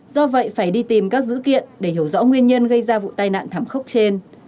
do vậy phải đi tìm các dữ kiện để hiểu rõ nguyên nhân gây ra vụ tai nạn thảm khốc trên